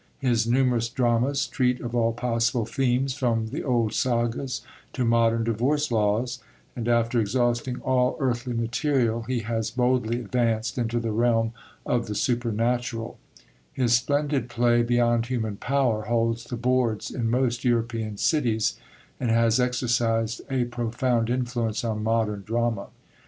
His numerous dramas treat of all possible themes, from the old Sagas to modern divorce laws; and after exhausting all earthly material, he has boldly advanced into the realm of the supernatural; his splendid play, Beyond Human Power, holds the boards in most European cities, and has exercised a profound influence on modern drama.